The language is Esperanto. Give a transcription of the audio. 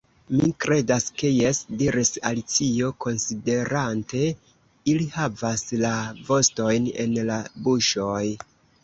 "Mi kredas ke jes," diris Alicio, konsiderante. "Ili havas la vostojn en la buŝoj. »